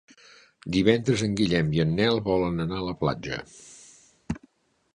Divendres en Guillem i en Nel volen anar a la platja.